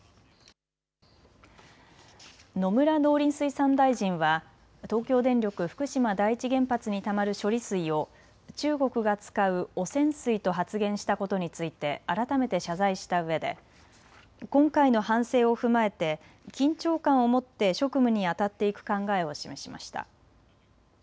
野村農林水産大臣は東京電力福島第一原発にたまる処理水を中国が使う汚染水と発言したことについて改めて謝罪したうえで今回の反省を踏まえて緊張感を持って職務にあたっていく考えを示しました。